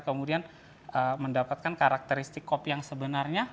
kemudian mendapatkan karakteristik kopi yang sebenarnya